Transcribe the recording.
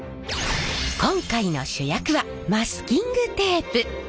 今回の主役はマスキングテープ。